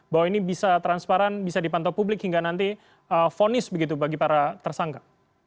bahwa ini bisa transparan bisa dipantau publik hingga nanti fonis begitu bagi para tersangka